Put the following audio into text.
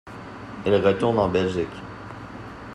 Il retourne en Belgique.